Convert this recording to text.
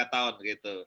tiga tahun gitu